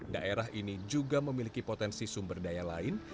daerah ini juga memiliki potensi sumber daya lain